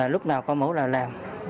lúc nào có mẫu là làm